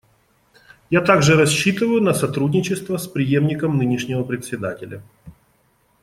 Я также рассчитываю на сотрудничество с преемником нынешнего Председателя.